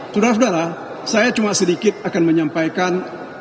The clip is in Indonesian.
sudara sudara saya cuma sedikit akan menyampaikan